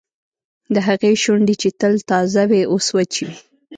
د هغې شونډې چې تل تازه وې اوس وچې وې